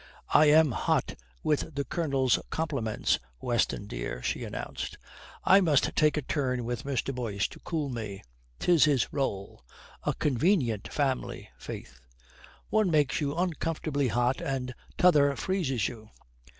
"I am hot with the Colonel's compliments, Weston, dear," she announced. "I must take a turn with Mr. Boyce to cool me. 'Tis his role. A convenient family, faith. One makes you uncomfortably hot and t'other freezes you.